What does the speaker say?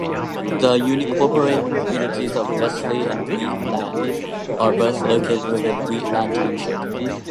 The unincorporated communities of Veseli and Wheatland are both located within Wheatland Township.